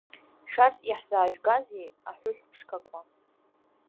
Шәарҭ иаҳзаажәгазеи, аҳәыҳәԥшқақәа?